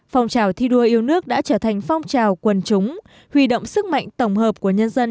phong trào thi đua yêu nước đã trở thành phong trào quần chúng huy động sức mạnh tổng hợp của nhân dân